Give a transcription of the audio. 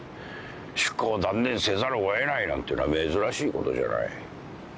出航を断念せざるを得ないなんてのは珍しいことじゃない。